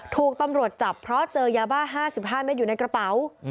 ถูกตำรวจจับเพราะเจอยาบ้า๕๕เมตรอยู่ในกระเป๋า